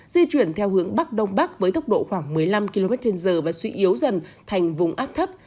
di chuyển theo hướng bắc đông bắc với tốc độ khoảng một mươi năm km trên giờ và suy yếu dần thành vùng áp thấp